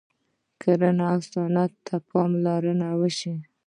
کرنې او صنعت ته پاملرنه وشوه.